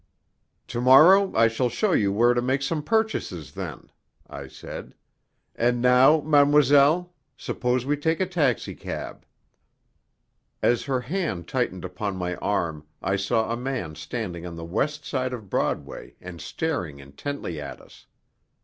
"To morrow I shall show you where to make some purchases, then," I said. "And now, mademoiselle, suppose we take a taxicab." As her hand tightened upon my arm I saw a man standing on the west side of Broadway and staring intently at us.